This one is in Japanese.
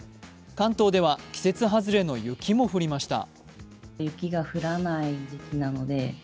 関東では季節外れの雪も降りました。